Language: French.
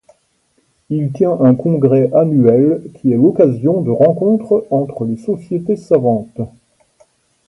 Il tient un congrès annuel qui est l'occasion de rencontres entre les sociétés savantes.